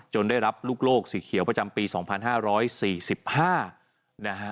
ได้รับลูกโลกสีเขียวประจำปี๒๕๔๕นะฮะ